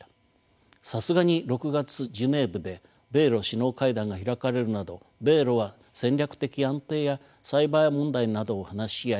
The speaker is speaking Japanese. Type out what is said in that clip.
さすがに６月ジュネーブで米ロ首脳会談が開かれるなど米ロは戦略的安定やサイバー問題などを話し合い